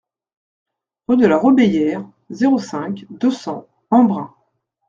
Rue de la Robéyère, zéro cinq, deux cents Embrun